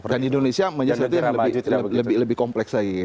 dan di indonesia menjadi lebih kompleks lagi